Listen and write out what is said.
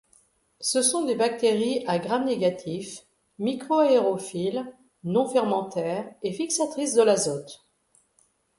Ce sont des bactéries à Gram négatif, microaérophiles, non fermentaires et fixatrices de l'azote.